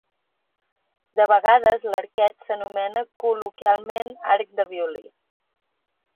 De vegades, l'arquet s'anomena col·loquialment "arc de violí".